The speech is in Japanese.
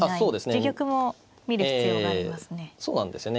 自玉も見る必要がありますね。